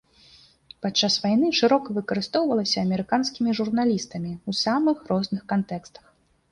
Падчас вайны шырока выкарыстоўвалася амерыканскімі журналістамі ў самых розных кантэкстах.